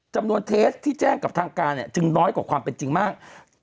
จำนวนเทสที่แจ้งกับทางการจึงน้อยกว่าความเป็นจริงมาก